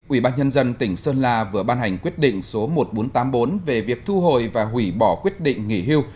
ủy ban nhân dân tỉnh sơn la vừa ban hành quyết định số một nghìn bốn trăm tám mươi bốn về việc thu hồi và hủy bỏ quyết định nghỉ hưu